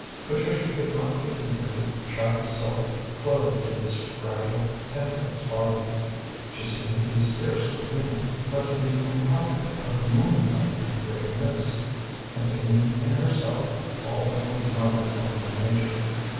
Patricia could not get near the shy soul clothed in this fragile, tintless body. She seemed to be scarcely human, but to be compounded of moonlight and grey mist, containing in herself all that was melancholy in Nature.